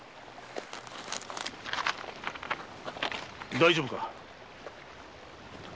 大丈夫か？